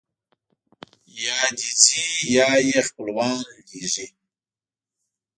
یا دی ځي یا یې خپل خپلوان لېږي.